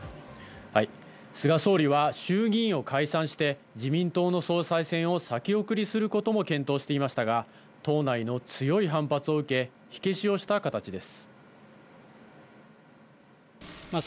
菅総理は衆議院を解散して自民党の総裁選を先送りすることも検討していましたが、党内の強い反発を受け、火消しをした形です。